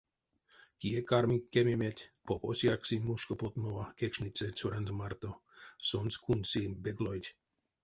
Кие карми кемеметь, попось якси мушко потмова кекшниця цёранзо марто, сонсь кундси беглойть.